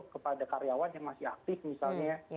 kepada karyawan yang masih aktif misalnya